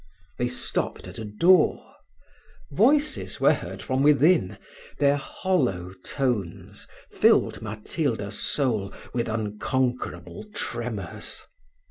They stopped at a door. Voices were heard from within: their hollow tones filled Matilda's soul with unconquerable tremours.